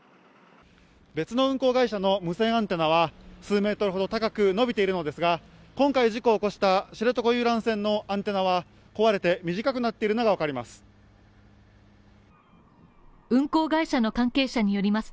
別の運航会社の無線アンテナは数メートルほど高く伸びているのですが今回事故を起こした知床遊覧船のアンテナは壊れて短くなっているのが分かります。